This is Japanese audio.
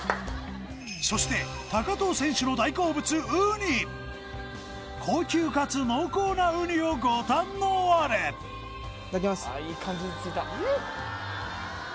そして藤選手の大好物ウニ高級かつ濃厚なウニをご堪能あれいただきます